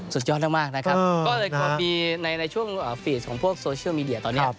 สุดยอดมากนะครับในช่วงฟีสของโซเชียลมีเดียตอนเนี่ย